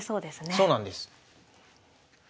そうなんです。